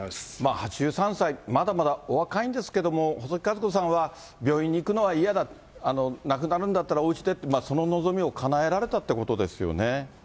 ８３歳、まだまだお若いんですけど、細木数子さんは病院に行くのは嫌だ、亡くなるんだったらおうちでって、その望みをかなえられたということですよね。